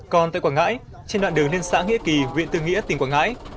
còn tại quảng ngãi trên đoạn đường lên xã nghĩa kỳ viện tư nghĩa tỉnh quảng ngãi